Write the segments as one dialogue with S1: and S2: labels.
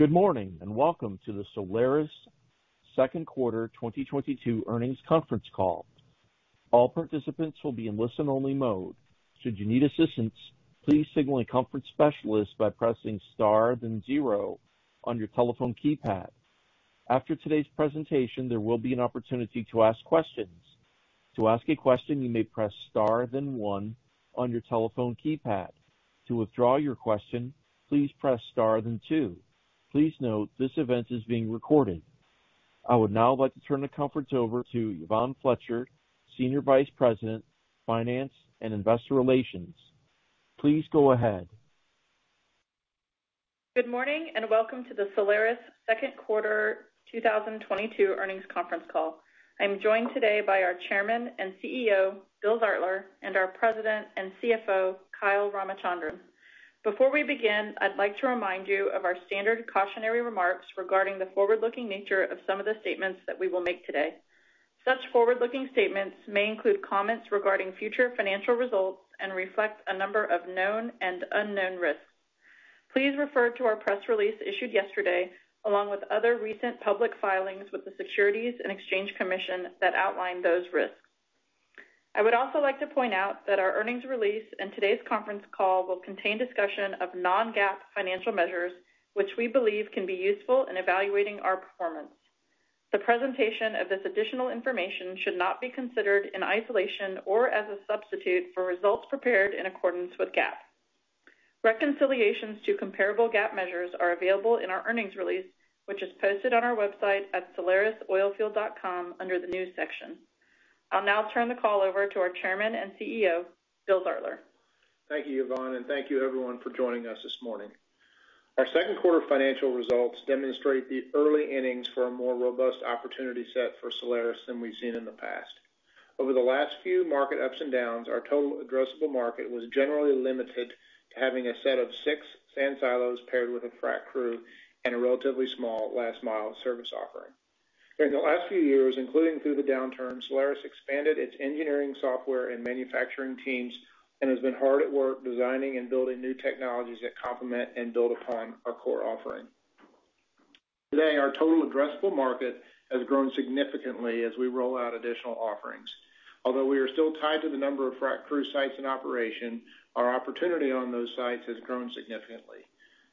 S1: Good morning, and welcome to the Solaris Second Quarter 2022 Earnings Conference Call. All participants will be in listen-only mode. Should you need assistance, please signal a conference specialist by pressing star then zero on your telephone keypad. After today's presentation, there will be an opportunity to ask questions. To ask a question, you may press star then one on your telephone keypad. To withdraw your question, please press star then two. Please note this event is being recorded. I would now like to turn the conference over to Yvonne Fletcher, Senior Vice President, Finance and Investor Relations. Please go ahead.
S2: Good morning, and welcome to the Solaris Second Quarter 2022 Earnings Conference Call. I'm joined today by our Chairman and CEO, William Zartler, and our President and CFO, Kyle Ramachandran. Before we begin, I'd like to remind you of our standard cautionary remarks regarding the forward-looking nature of some of the statements that we will make today. Such forward-looking statements may include comments regarding future financial results and reflect a number of known and unknown risks. Please refer to our press release issued yesterday, along with other recent public filings with the Securities and Exchange Commission that outline those risks. I would also like to point out that our earnings release and today's conference call will contain discussion of non-GAAP financial measures, which we believe can be useful in evaluating our performance. The presentation of this additional information should not be considered in isolation or as a substitute for results prepared in accordance with GAAP. Reconciliations to comparable GAAP measures are available in our earnings release, which is posted on our website at solarisoilfield.com under the News section. I'll now turn the call over to our Chairman and CEO, William Zartler.
S3: Thank you, Yvonne, and thank you everyone for joining us this morning. Our second quarter financial results demonstrate the early innings for a more robust opportunity set for Solaris than we've seen in the past. Over the last few market ups and downs, our total addressable market was generally limited to having a set of six sand silos paired with a frac crew and a relatively small last-mile service offering. During the last few years, including through the downturn, Solaris expanded its engineering software and manufacturing teams and has been hard at work designing and building new technologies that complement and build upon our core offering. Today, our total addressable market has grown significantly as we roll out additional offerings. Although we are still tied to the number of frac crew sites in operation, our opportunity on those sites has grown significantly.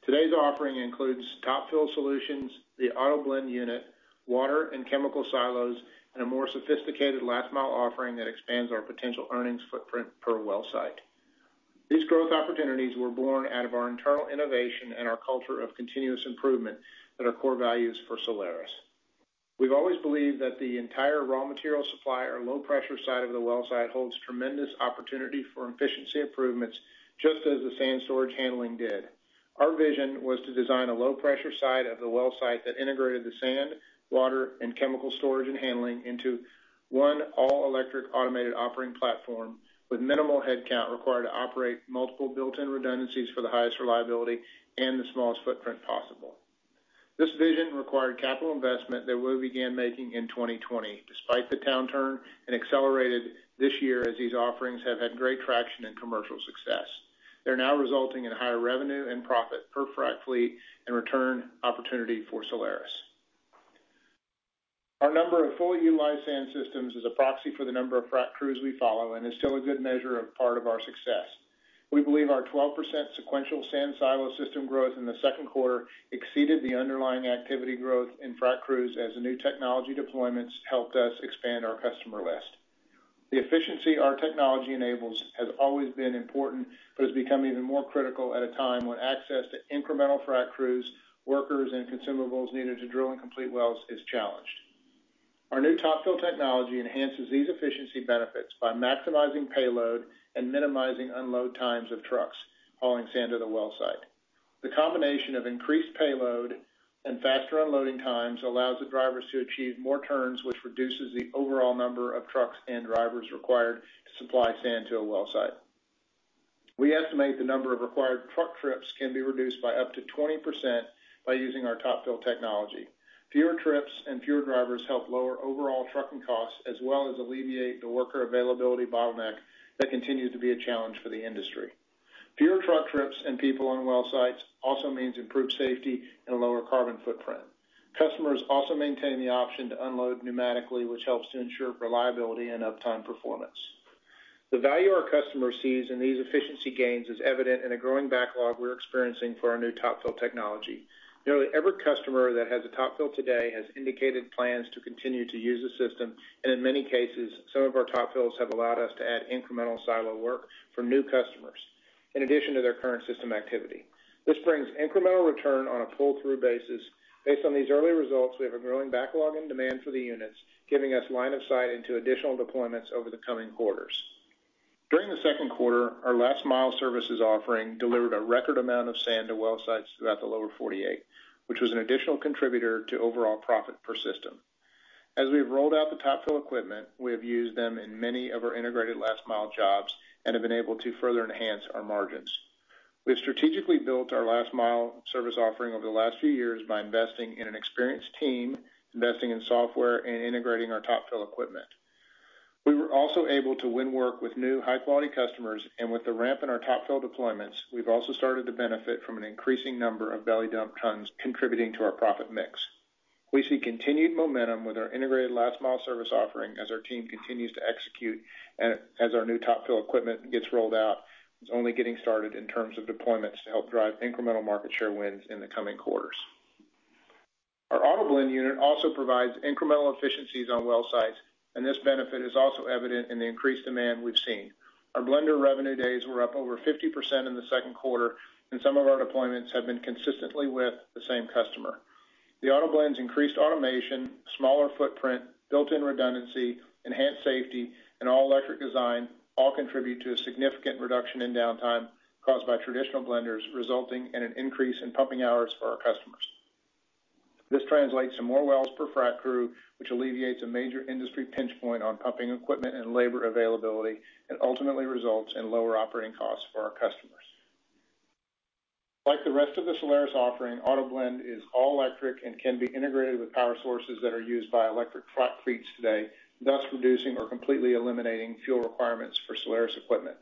S3: Today's offering includes Top Fill solutions, the AutoBlend unit, water and chemical silos, and a more sophisticated last-mile offering that expands our potential earnings footprint per well site. These growth opportunities were born out of our internal innovation and our culture of continuous improvement that are core values for Solaris. We've always believed that the entire raw material supply or low pressure side of the well site holds tremendous opportunity for efficiency improvements, just as the sand storage handling did. Our vision was to design a low pressure side of the well site that integrated the sand, water, and chemical storage and handling into one all-electric automated operating platform with minimal headcount required to operate multiple built-in redundancies for the highest reliability and the smallest footprint possible. This vision required capital investment that we began making in 2020 despite the downturn and accelerated this year as these offerings have had great traction and commercial success. They're now resulting in higher revenue and profit per frac fleet and return opportunity for Solaris. Our number of fully utilized sand systems is a proxy for the number of frac crews we follow and is still a good measure of part of our success. We believe our 12% sequential sand silo system growth in the second quarter exceeded the underlying activity growth in frac crews as the new technology deployments helped us expand our customer list. The efficiency our technology enables has always been important, but has become even more critical at a time when access to incremental frac crews, workers, and consumables needed to drill and complete wells is challenged. Our new Top Fill technology enhances these efficiency benefits by maximizing payload and minimizing unload times of trucks hauling sand to the well site. The combination of increased payload and faster unloading times allows the drivers to achieve more turns, which reduces the overall number of trucks and drivers required to supply sand to a well site. We estimate the number of required truck trips can be reduced by up to 20% by using our Top Fill technology. Fewer trips and fewer drivers help lower overall trucking costs as well as alleviate the worker availability bottleneck that continue to be a challenge for the industry. Fewer truck trips and people on well sites also means improved safety and a lower carbon footprint. Customers also maintain the option to unload pneumatically, which helps to ensure reliability and uptime performance. The value our customer sees in these efficiency gains is evident in a growing backlog we're experiencing for our new Top Fill technology. Nearly every customer that has a Top Fill today has indicated plans to continue to use the system, and in many cases, some of our Top Fills have allowed us to add incremental silo work for new customers in addition to their current system activity. This brings incremental return on a pull-through basis. Based on these early results, we have a growing backlog and demand for the units, giving us line of sight into additional deployments over the coming quarters. During the second quarter, our last-mile services offering delivered a record amount of sand to well sites throughout the lower forty-eight, which was an additional contributor to overall profit per system. As we've rolled out the Top Fill equipment, we have used them in many of our integrated last-mile jobs and have been able to further enhance our margins. We've strategically built our last-mile service offering over the last few years by investing in an experienced team, investing in software, and integrating our Top Fill equipment. We were also able to win work with new high quality customers and with the ramp in our Top Fill deployments, we've also started to benefit from an increasing number of belly dump tons contributing to our profit mix. We see continued momentum with our integrated last-mile service offering as our team continues to execute and as our new Top Fill equipment gets rolled out. It's only getting started in terms of deployments to help drive incremental market share wins in the coming quarters. Our AutoBlend unit also provides incremental efficiencies on well sites, and this benefit is also evident in the increased demand we've seen. Our blender revenue days were up over 50% in the second quarter, and some of our deployments have been consistent with the same customer. The AutoBlend's increased automation, smaller footprint, built-in redundancy, enhanced safety, and all electric design all contribute to a significant reduction in downtime caused by traditional blenders, resulting in an increase in pumping hours for our customers. This translates to more wells per frac crew, which alleviates a major industry pinch point on pumping equipment and labor availability and ultimately results in lower operating costs for our customers. Like the rest of the Solaris offering, AutoBlend is all electric and can be integrated with power sources that are used by electric frac fleets today, thus reducing or completely eliminating fuel requirements for Solaris equipment.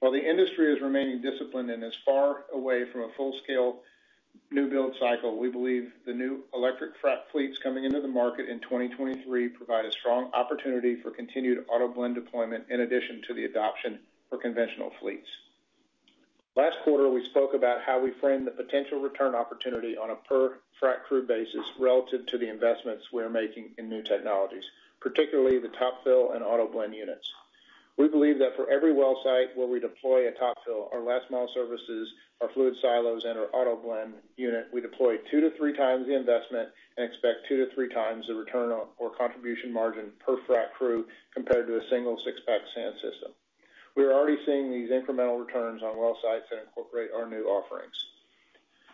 S3: While the industry is remaining disciplined and is far away from a full-scale new build cycle, we believe the new electric frac fleets coming into the market in 2023 provide a strong opportunity for continued AutoBlend deployment in addition to the adoption of conventional fleets. Last quarter, we spoke about how we frame the potential return opportunity on a per frac crew basis relative to the investments we are making in new technologies, particularly the Top Fill and AutoBlend units. We believe that for every well site where we deploy a Top Fill, our last-mile services, our fluid silos, and our AutoBlend unit, we deploy 2-3 times the investment and expect 2-3 times the return, or contribution margin per frac crew compared to a single six-pack sand system. We're already seeing these incremental returns on well sites that incorporate our new offerings.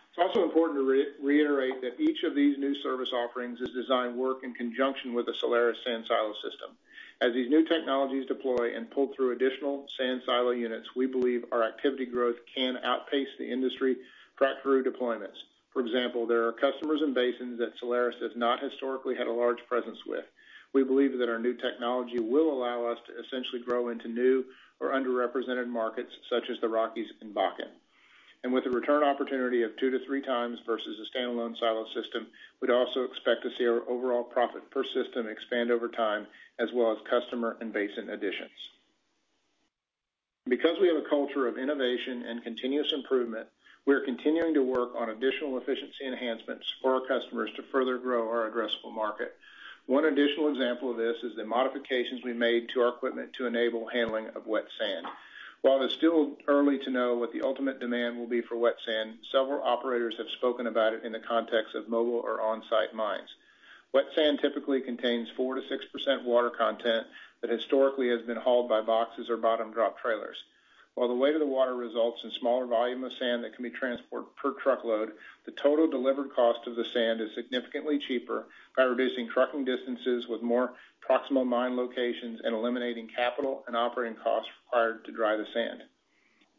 S3: It's also important to reiterate that each of these new service offerings is designed to work in conjunction with the Solaris sand silo system. As these new technologies deploy and pull through additional sand silo units, we believe our activity growth can outpace the industry frac crew deployments. For example, there are customers in basins that Solaris has not historically had a large presence with. We believe that our new technology will allow us to essentially grow into new or underrepresented markets such as the Rockies and Bakken. With a return opportunity of 2-3 times versus a standalone silo system, we'd also expect to see our overall profit per system expand over time as well as customer and basin additions. Because we have a culture of innovation and continuous improvement, we are continuing to work on additional efficiency enhancements for our customers to further grow our addressable market. One additional example of this is the modifications we made to our equipment to enable handling of wet sand. While it's still early to know what the ultimate demand will be for wet sand, several operators have spoken about it in the context of mobile or on-site mines. Wet sand typically contains 4%-6% water content that historically has been hauled by boxes or belly dump trailers. While the weight of the water results in smaller volume of sand that can be transported per truckload, the total delivered cost of the sand is significantly cheaper by reducing trucking distances with more proximal mine locations and eliminating capital and operating costs required to dry the sand.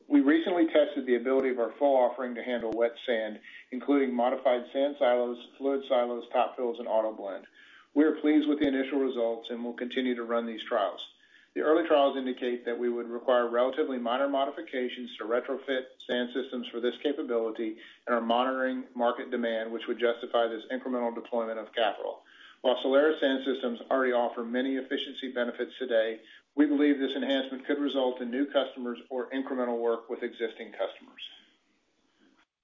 S3: We recently tested the ability of our full offering to handle wet sand, including modified sand silos, fluid silos, Top Fills, and AutoBlend. We are pleased with the initial results and will continue to run these trials. The early trials indicate that we would require relatively minor modifications to retrofit sand systems for this capability and are monitoring market demand, which would justify this incremental deployment of capital. While Solaris sand systems already offer many efficiency benefits today, we believe this enhancement could result in new customers or incremental work with existing customers.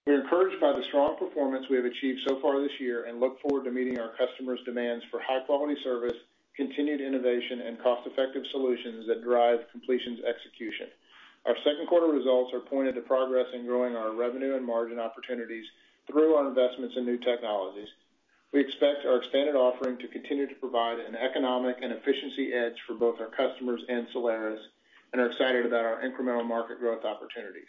S3: We're encouraged by the strong performance we have achieved so far this year and look forward to meeting our customers' demands for high-quality service, continued innovation, and cost-effective solutions that drive completions execution. Our second quarter results are pointed to progress in growing our revenue and margin opportunities through our investments in new technologies. We expect our expanded offering to continue to provide an economic and efficiency edge for both our customers and Solaris and are excited about our incremental market growth opportunities.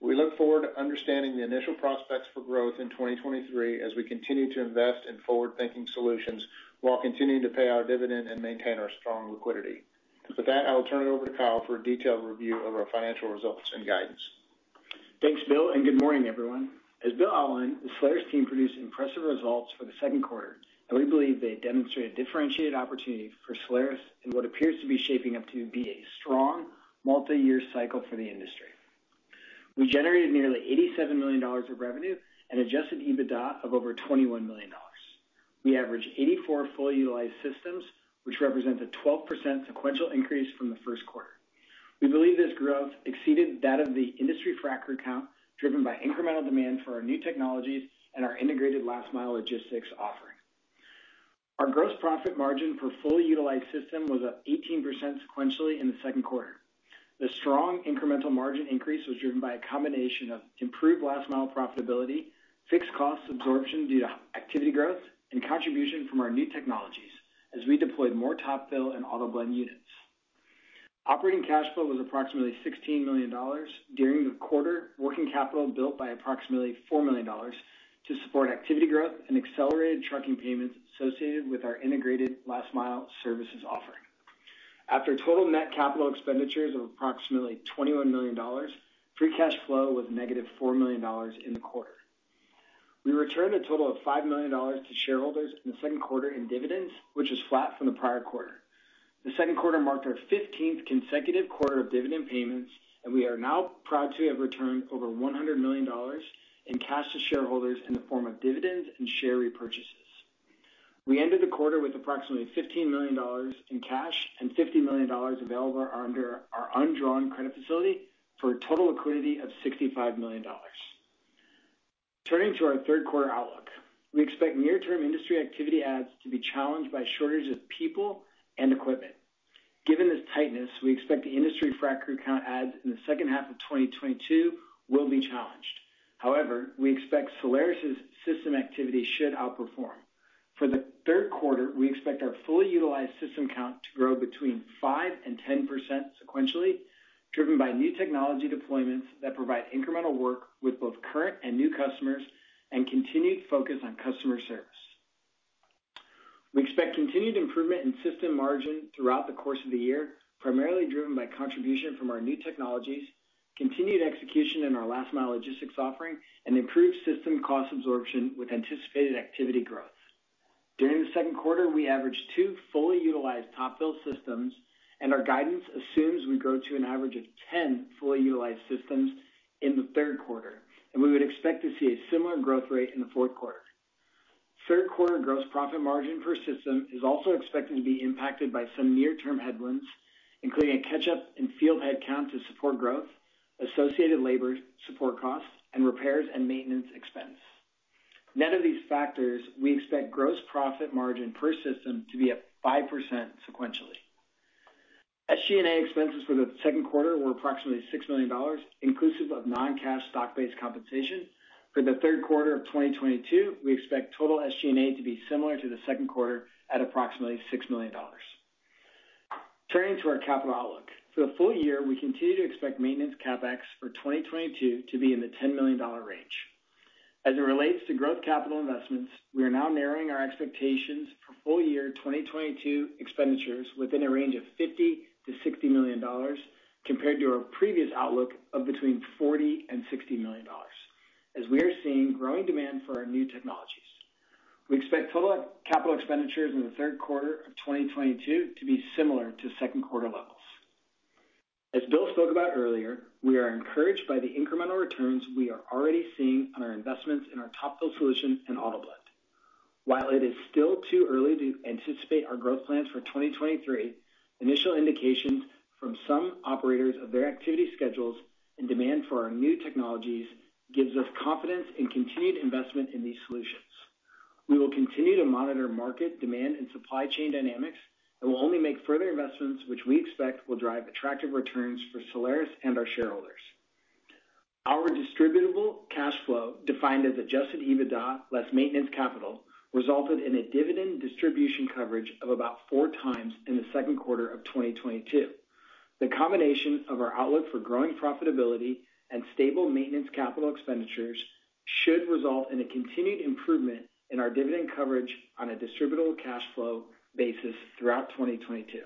S3: We look forward to understanding the initial prospects for growth in 2023 as we continue to invest in forward-thinking solutions while continuing to pay our dividend and maintain our strong liquidity. With that, I will turn it over to Kyle for a detailed review of our financial results and guidance.
S4: Thanks, Bill, and good morning, everyone. As Bill outlined, the Solaris team produced impressive results for the second quarter, and we believe they demonstrate a differentiated opportunity for Solaris in what appears to be shaping up to be a strong multiyear cycle for the industry. We generated nearly $87 million of revenue and adjusted EBITDA of over $21 million. We averaged 84 fully utilized systems, which represents a 12% sequential increase from the first quarter. We believe this growth exceeded that of the industry frac count, driven by incremental demand for our new technologies and our integrated last-mile logistics offering. Our gross profit margin for fully utilized system was up 18% sequentially in the second quarter. The strong incremental margin increase was driven by a combination of improved last-mile profitability, fixed cost absorption due to activity growth, and contribution from our new technologies as we deployed more Top Fill and AutoBlend units. Operating cash flow was approximately $16 million. During the quarter, working capital built by approximately $4 million to support activity growth and accelerated trucking payments associated with our integrated last-mile services offering. After total net capital expenditures of approximately $21 million, free cash flow was -$4 million in the quarter. We returned a total of $5 million to shareholders in the second quarter in dividends, which is flat from the prior quarter. The second quarter marked our 15th consecutive quarter of dividend payments, and we are now proud to have returned over $100 million in cash to shareholders in the form of dividends and share repurchases. We ended the quarter with approximately $15 million in cash and $50 million available under our undrawn credit facility for a total liquidity of $65 million. Turning to our third quarter outlook. We expect near-term industry activity adds to be challenged by shortage of people and equipment. Given this tightness, we expect the industry frac crew count adds in the second half of 2022 will be challenged. However, we expect Solaris' system activity should outperform. For the third quarter, we expect our fully utilized system count to grow between 5% and 10% sequentially, driven by new technology deployments that provide incremental work with both current and new customers and continued focus on customer service. We expect continued improvement in system margin throughout the course of the year, primarily driven by contribution from our new technologies, continued execution in our last-mile logistics offering, and improved system cost absorption with anticipated activity growth. During the second quarter, we averaged 2 fully utilized Top Fill systems, and our guidance assumes we grow to an average of 10 fully utilized systems in the third quarter, and we would expect to see a similar growth rate in the fourth quarter. Third quarter gross profit margin per system is also expected to be impacted by some near-term headwinds, including a catch-up in field headcount to support growth, associated labor support costs, and repairs and maintenance expense. Net of these factors, we expect gross profit margin per system to be up 5% sequentially. SG&A expenses for the second quarter were approximately $6 million, inclusive of non-cash stock-based compensation. For the third quarter of 2022, we expect total SG&A to be similar to the second quarter at approximately $6 million. Turning to our capital outlook. For the full year, we continue to expect maintenance CapEx for 2022 to be in the $10 million range. As it relates to growth capital investments, we are now narrowing our expectations for full year 2022 expenditures within a range of $50-$60 million compared to our previous outlook of between $40 million and $60 million as we are seeing growing demand for our new technologies. We expect total capital expenditures in the third quarter of 2022 to be similar to second quarter levels. As Bill spoke about earlier, we are encouraged by the incremental returns we are already seeing on our investments in our Top Fill solution and AutoBlend. While it is still too early to anticipate our growth plans for 2023, initial indications from some operators of their activity schedules and demand for our new technologies gives us confidence in continued investment in these solutions. We will continue to monitor market demand and supply chain dynamics, and we'll only make further investments which we expect will drive attractive returns for Solaris and our shareholders. Our distributable cash flow, defined as adjusted EBITDA less maintenance capital, resulted in a dividend distribution coverage of about four times in the second quarter of 2022. The combination of our outlook for growing profitability and stable maintenance capital expenditures should result in a continued improvement in our dividend coverage on a distributable cash flow basis throughout 2022.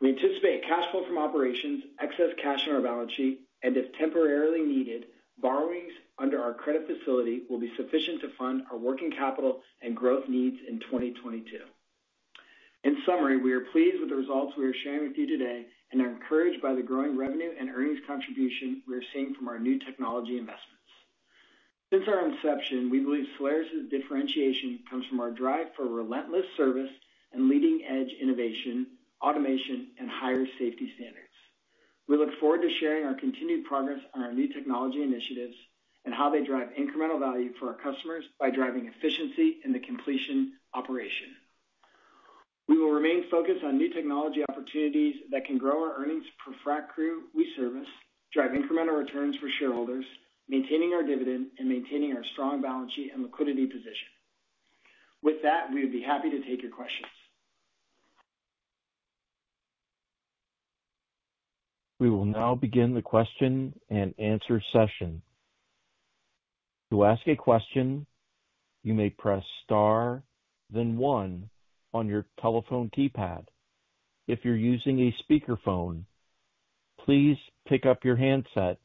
S4: We anticipate cash flow from operations, excess cash on our balance sheet, and if temporarily needed, borrowings under our credit facility will be sufficient to fund our working capital and growth needs in 2022. In summary, we are pleased with the results we are sharing with you today and are encouraged by the growing revenue and earnings contribution we are seeing from our new technology investments. Since our inception, we believe Solaris' differentiation comes from our drive for relentless service and leading-edge innovation, automation, and higher safety standards. We look forward to sharing our continued progress on our new technology initiatives and how they drive incremental value for our customers by driving efficiency in the completion operation. We will remain focused on new technology opportunities that can grow our earnings per frac crew we service, drive incremental returns for shareholders, maintaining our dividend, and maintaining our strong balance sheet and liquidity position. With that, we would be happy to take your questions.
S1: We will now begin the question and answer session. To ask a question, you may press star then one on your telephone keypad. If you're using a speakerphone, please pick up your handset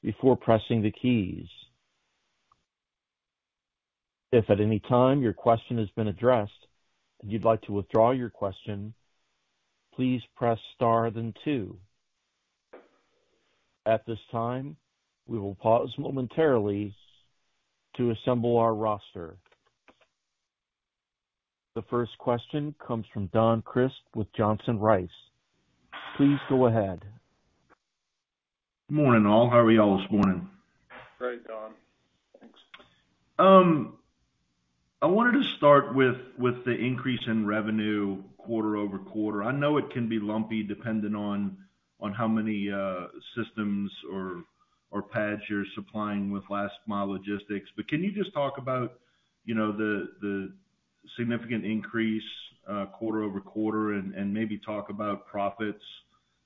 S1: before pressing the keys. If at any time your question has been addressed and you'd like to withdraw your question, please press star then two. At this time, we will pause momentarily to assemble our roster. The first question comes from Donald Crist with Johnson Rice. Please go ahead.
S5: Good morning, all. How are we all this morning?
S4: Great, Don. Thanks.
S5: I wanted to start with the increase in revenue quarter-over-quarter. I know it can be lumpy depending on how many systems or pads you're supplying with last-mile logistics. Can you just talk about, you know, the significant increase quarter-over-quarter and maybe talk about profits?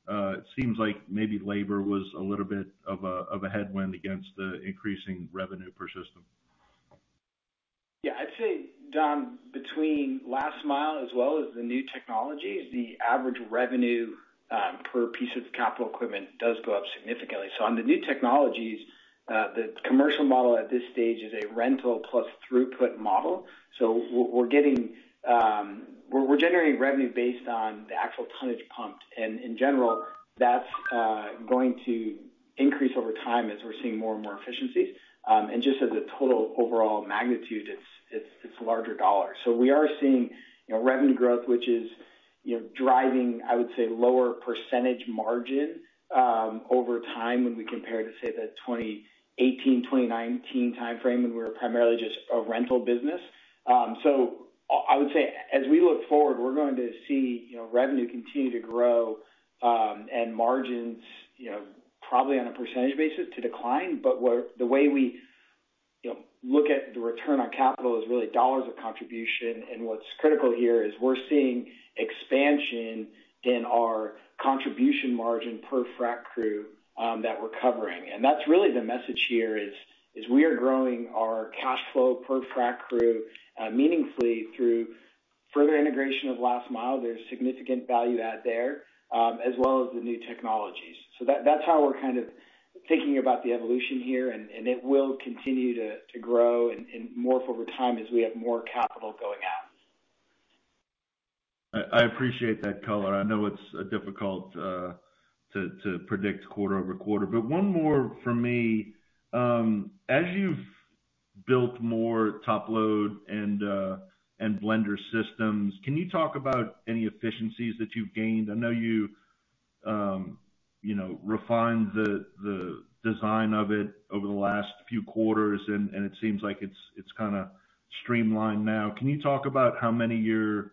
S5: It seems like maybe labor was a little bit of a headwind against the increasing revenue per system.
S4: Yeah, I'd say, Don, between last-mile as well as the new technologies, the average revenue per piece of capital equipment does go up significantly. On the new technologies, the commercial model at this stage is a rental plus throughput model. We're generating revenue based on the actual tonnage pumped. In general, that's going to increase over time as we're seeing more and more efficiencies. Just as a total overall magnitude, it's larger dollars. We are seeing, you know, revenue growth, which is, you know, driving, I would say, lower percentage margin over time when we compare to, say, the 2018, 2019 timeframe when we were primarily just a rental business. I would say as we look forward, we're going to see, you know, revenue continue to grow, and margins, you know, probably on a percentage basis to decline. But the way we, you know, look at the return on capital is really dollars of contribution. What's critical here is we're seeing expansion in our contribution margin per frac crew that we're covering. That's really the message here is we are growing our cash flow per frac crew meaningfully through further integration of last mile. There's significant value add there, as well as the new technologies. That's how we're kind of thinking about the evolution here, and it will continue to grow and morph over time as we have more capital going out.
S5: I appreciate that color. I know it's difficult to predict quarter over quarter. One more from me. As you've built more Top Fill and blender systems, can you talk about any efficiencies that you've gained? I know you you know refined the design of it over the last few quarters and it seems like it's kinda streamlined now. Can you talk about how many you're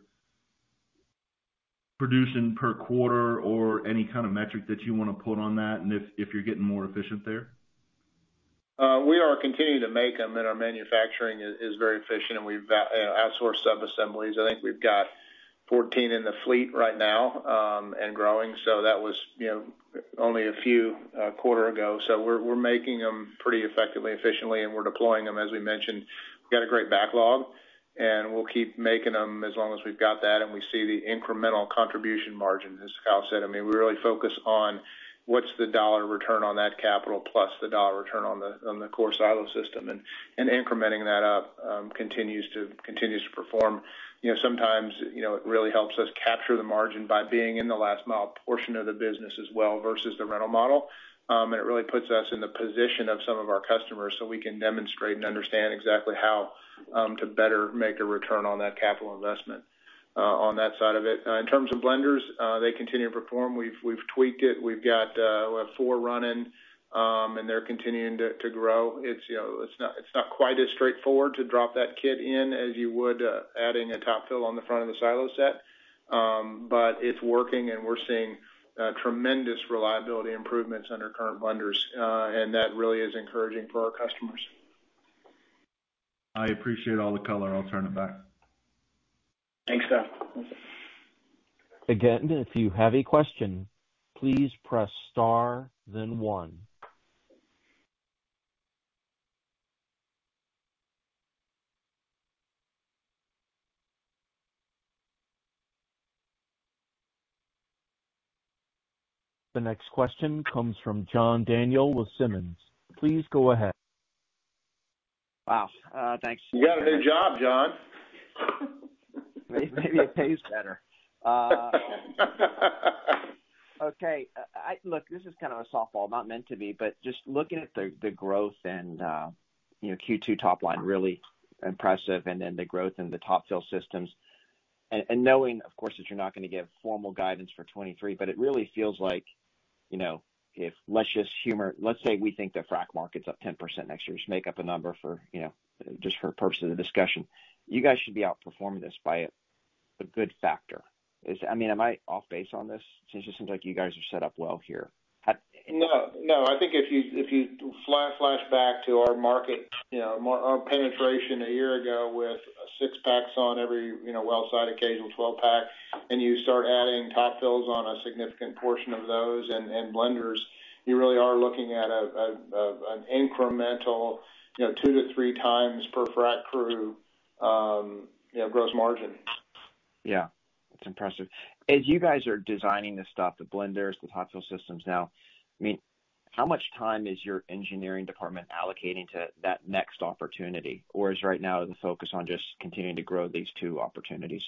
S5: producing per quarter or any kind of metric that you wanna put on that, and if you're getting more efficient there?
S3: We are continuing to make them, and our manufacturing is very efficient, and we've outsourced sub-assemblies. I think we've got 14 in the fleet right now, and growing. That was, you know, only a few quarters ago. We're making them pretty effectively, efficiently, and we're deploying them. As we mentioned, we've got a great backlog, and we'll keep making them as long as we've got that and we see the incremental contribution margin. As Kyle said, I mean, we really focus on what's the dollar return on that capital, plus the dollar return on the core silo system. Incrementing that up continues to perform. You know, sometimes, you know, it really helps us capture the margin by being in the last mile portion of the business as well versus the rental model. It really puts us in the position of some of our customers so we can demonstrate and understand exactly how to better make a return on that capital investment on that side of it. In terms of blenders, they continue to perform. We've tweaked it. We've got four running, and they're continuing to grow. It's, you know, it's not quite as straightforward to drop that kit in as you would adding a Top Fill on the front of the silo set. But it's working, and we're seeing tremendous reliability improvements under current blenders. That really is encouraging for our customers.
S5: I appreciate all the color. I'll turn it back.
S4: Thanks, Don.
S1: Again, if you have a question, please press star then one. The next question comes from John Daniel with Daniel Energy Partners. Please go ahead.
S6: Wow. Thanks.
S3: You got a good job, John.
S6: Maybe it pays better. Okay. Look, this is kind of a softball. Not meant to be, but just looking at the growth and, you know, Q2 top line, really impressive, and then the growth in the Top Fill systems. Knowing, of course, that you're not gonna give formal guidance for 2023, but it really feels like, you know, if let's just humor. Let's say we think the frac market's up 10% next year. Just make up a number for, you know, just for purpose of the discussion. You guys should be outperforming this by a good factor. I mean, am I off base on this? Since it seems like you guys are set up well here. How-
S3: No, no. I think if you flashback to our market, you know, our penetration a year ago with six packs on every, you know, well site, occasional twelve pack, and you start adding top fills on a significant portion of those and blenders, you really are looking at an incremental, you know, 2-3 times per frac crew, gross margin.
S6: Yeah, it's impressive. As you guys are designing this stuff, the blenders, the Top Fill systems now, I mean, how much time is your engineering department allocating to that next opportunity? Or is right now the focus on just continuing to grow these two opportunities?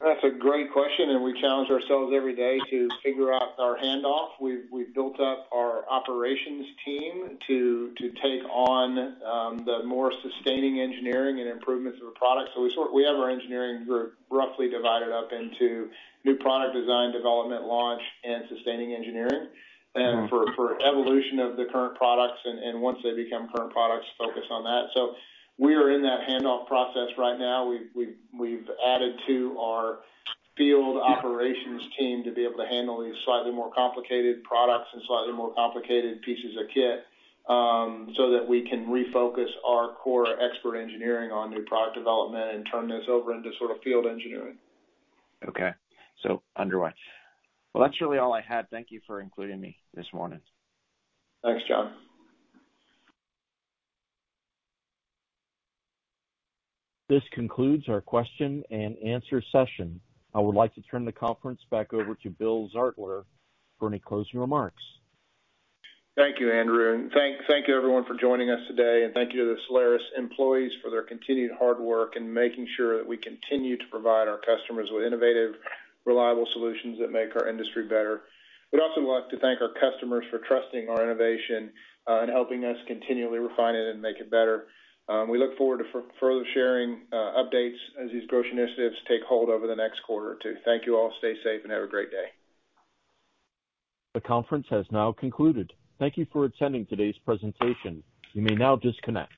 S3: That's a great question, and we challenge ourselves every day to figure out our handoff. We've built up our operations team to take on the more sustaining engineering and improvements of the product. We have our engineering group roughly divided up into new product design, development, launch, and sustaining engineering. For evolution of the current products and once they become current products, focus on that. We are in that handoff process right now. We've added to our field operations team to be able to handle these slightly more complicated products and slightly more complicated pieces of kit, so that we can refocus our core expert engineering on new product development and turn this over into sort of field engineering.
S6: Okay. Underway. Well, that's really all I had. Thank you for including me this morning.
S3: Thanks, John.
S1: This concludes our question and answer session. I would like to turn the conference back over to Bill Zartler for any closing remarks.
S3: Thank you, Andrew, and thank you everyone for joining us today. Thank you to the Solaris employees for their continued hard work and making sure that we continue to provide our customers with innovative, reliable solutions that make our industry better. We'd also like to thank our customers for trusting our innovation, and helping us continually refine it and make it better. We look forward to further sharing updates as these growth initiatives take hold over the next quarter or two. Thank you all. Stay safe and have a great day.
S1: The conference has now concluded. Thank you for attending today's presentation. You may now disconnect.